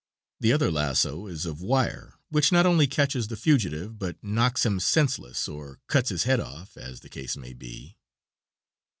The other lasso is of wire, which not only catches the fugitive, but knocks him senseless or cuts his head off, as the case may be.